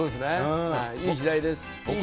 いい時代です。